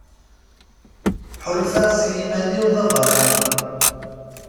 Ḥulfaɣ s yiman-iw d abeṛṛani.